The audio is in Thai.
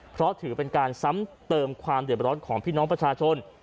เพราะถือเป็นการซ้ำเติมความเดือบร้อนของพี่น้องประชาชน